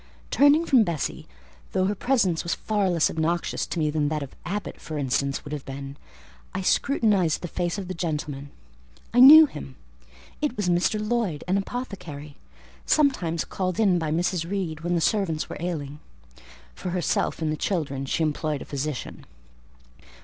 Turning from Bessie (though her presence was far less obnoxious to me than that of Abbot, for instance, would have been), I scrutinised the face of the gentleman: I knew him; it was Mr. Lloyd, an apothecary, sometimes called in by Mrs. Reed when the servants were ailing: for herself and the children she employed a physician.